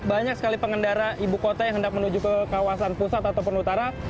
banyak sekali pengendara ibu kota yang hendak menuju ke kawasan pusat ataupun utara